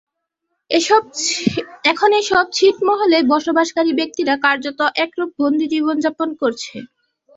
এখন এসব ছিটমহলে বসবাসকারী ব্যক্তিরা কার্যত একরূপ বন্দী জীবন যাপন করছে।